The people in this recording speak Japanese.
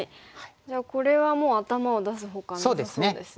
じゃあこれはもう頭を出すほかなさそうですね。